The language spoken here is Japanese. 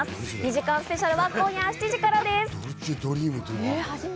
２時間スペシャルは今夜７時からです。